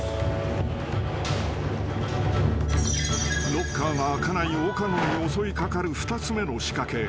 ［ロッカーが開かない岡野に襲い掛かる２つ目の仕掛け］